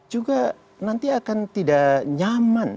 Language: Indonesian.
juga nanti akan tidak nyaman